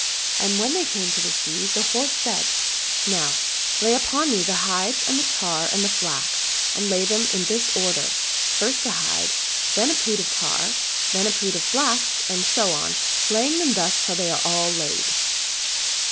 And when they came to the sea the horse said, '' Now lay upon me the hides and the tar and the flax, and lay them in this order — first a hide, and then a pood of tar, and then a pood of flax, and so on, laying them thus till they are all laid."